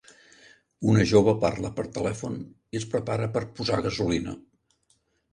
Una jove parla per telèfon i es prepara per posar gasolina.